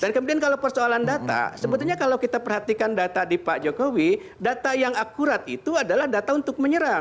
dan kemudian kalau persoalan data sebetulnya kalau kita perhatikan data di pak jokowi data yang akurat itu adalah data untuk menyerang